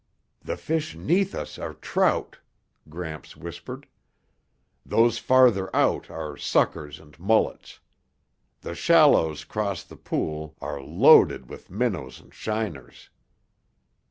"The fish 'neath us are trout," Gramps whispered. "Those farther out are suckers and mullets. The shallows 'cross the pool are loaded with minnows and shiners.